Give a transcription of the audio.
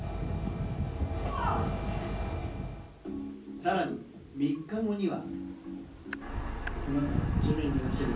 さらに３日後には。